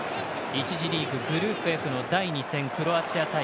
１次リーグ、グループＦの第２戦クロアチア対